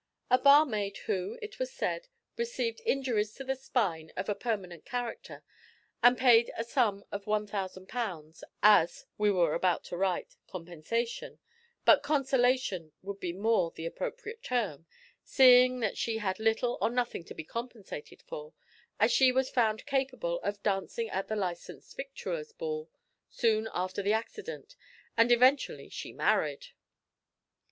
A barmaid who, it was said, received "injuries to the spine of a permanent character," was paid a sum of 1000 pounds as we were about to write compensation, but consolation would be the more appropriate term, seeing that she had little or nothing to be compensated for, as she was found capable of "dancing at the Licensed Victuallers' Ball" soon after the accident and eventually she married!